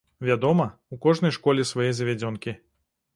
Вядома, у кожнай школе свае завядзёнкі.